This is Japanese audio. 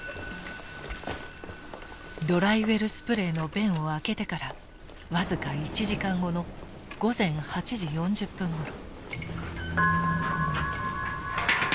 ドライウェルスプレイの弁を開けてから僅か１時間後の午前８時４０分ごろ。